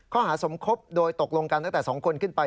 สมคบโดยตกลงกันตั้งแต่๒คนขึ้นไป